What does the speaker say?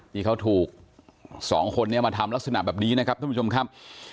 ที่เขาถูกสองคนนี้มาทำลักษณะแบบนี้นะครับท่านผู้ชมครับ